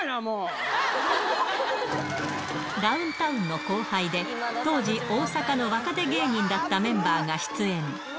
ダウンタウンの後輩で、当時、大阪の若手芸人だったメンバーが出演。